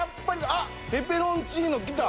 あっペペロンチーノきた！